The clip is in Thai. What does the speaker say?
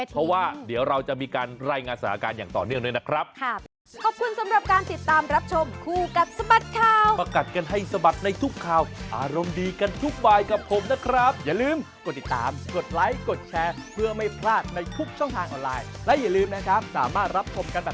เพราะว่าเดี๋ยวเราจะมีการรายงานสถานการณ์อย่างต่อเนื่องด้วยนะครับ